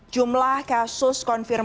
jumlah kasus konfirman